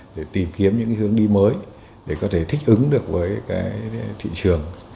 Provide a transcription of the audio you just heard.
để tìm kiếm những hướng đi mới để có thể thích ứng được với cái thị trường